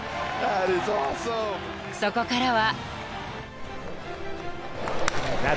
［そこからは］